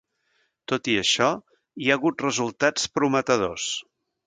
Tot i això, hi ha hagut resultats prometedors.